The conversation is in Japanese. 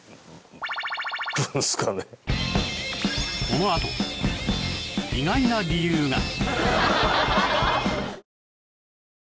このあと意外な理由が！